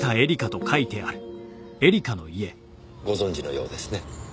ご存じのようですね。